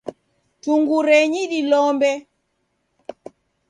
Tungurenyi dilombe.